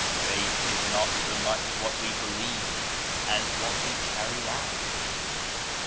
11 "Faith is not so much what wc believe as what we carry out."